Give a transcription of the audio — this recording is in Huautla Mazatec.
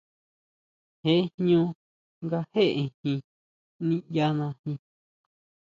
Jee jñú nga jéʼejin niʼyanajin.